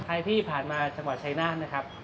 ใครที่ผ่านมาจังหวัดชายนาฏนะครับ